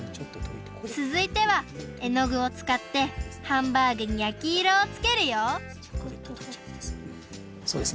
つづいてはえのぐをつかってハンバーグにやきいろをつけるよそうです